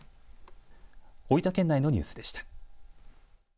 大分県内のニュースでした。